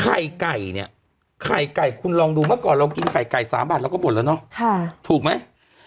ไข่ไก่เนี่ยไข่ไก่คุณลองดูเมื่อก่อนเรากินไข่ไก่๓บาทเราก็บ่นแล้วเนาะถูกไหม